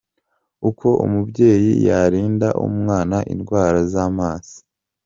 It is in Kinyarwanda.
Uko umubyeyi yarinda umwana indwara z’amaso.